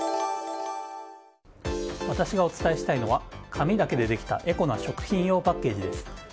私がお伝えしたいのは紙だけでできたエコな食品用パッケージです。